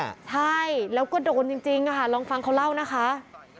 ใช่แล้วก็โดนจริงค่ะลองฟังเขาเล่านะคะ